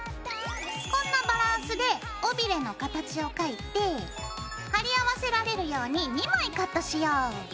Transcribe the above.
こんなバランスで尾びれの形を描いて貼り合わせられるように２枚カットしよう。